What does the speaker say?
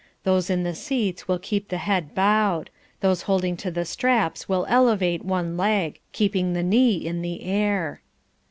Those in the seats will keep the head bowed. Those holding to the straps will elevate one leg, keeping the knee in the air.